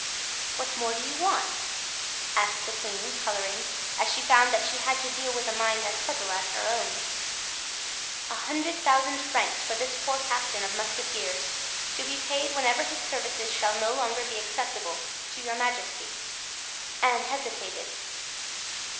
"What more do you want?" asked the queen, coloring, as she found that she had to deal with a mind as subtle as her own. "A hundred thousand francs for this poor captain of musketeers, to be paid whenever his services shall no longer be acceptable to your majesty." Anne hesitated.